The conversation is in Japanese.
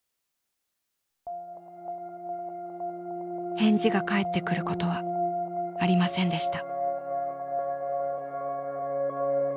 返事が返ってくることはありませんでした。